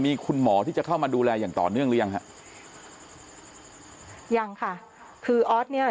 มีคุณหมอที่จะเข้ามาดูแลอย่างต่อเนื่องหรือยังฮะยังค่ะคือออสเนี้ย